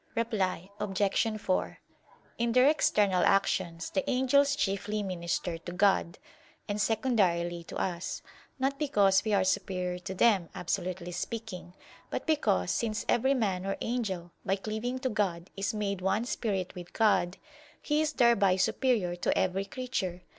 Reply Obj. 4: In their external actions the angels chiefly minister to God, and secondarily to us; not because we are superior to them, absolutely speaking, but because, since every man or angel by cleaving to God is made one spirit with God, he is thereby superior to every creature.